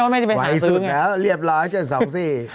วัยซึ้งแล้วเรียบร้อยเจนสองสี่